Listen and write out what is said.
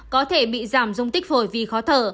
có thể bị giảm dung tích phổi vì khó thở